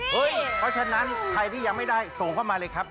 เพราะฉะนั้นใครที่ยังไม่ได้ส่งเข้ามาเลยครับ